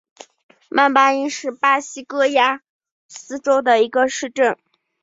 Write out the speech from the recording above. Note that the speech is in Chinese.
曼巴伊是巴西戈亚斯州的一个市镇。